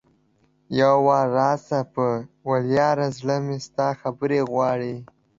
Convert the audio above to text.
یو وار راسه په ولیاړې ـ زړه مې ستا خبرې غواړي